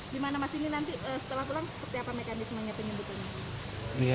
gimana mas ini nanti setelah pulang seperti apa mekanismenya penyebutannya